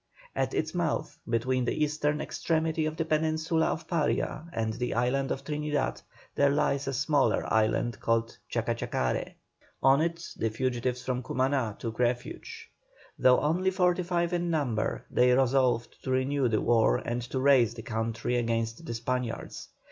At its mouth, between the eastern extremity of the Peninsula of Paria and the island of Trinidad, there lies a smaller island called Chacachacare; on it the fugitives from Cumaná took refuge. Though only forty five in number, they resolved to renew the war and to raise the country against the Spaniards.